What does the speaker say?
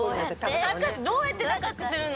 どうやって高くするの？